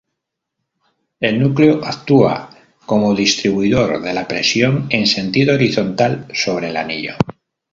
El núcleo actúa como distribuidor de la presión en sentido horizontal sobre el anillo.